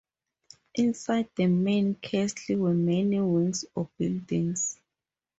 Inside the main castle were many wings or buildings.